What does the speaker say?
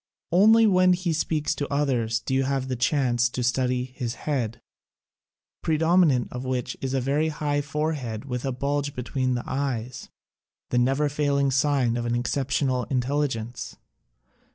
Only when he speaks to others do you have a chance to study his head, predominant of which is a very high forehead with a bulge between the eyes — the neverfailing sign of an exceptional in telligence.